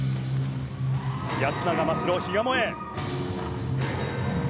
安永真白・比嘉もえ。